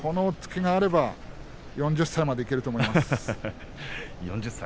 けがあれば４０歳までいけると思います。